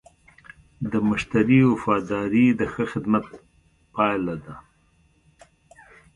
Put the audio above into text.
د مشتری وفاداري د ښه خدمت پایله ده.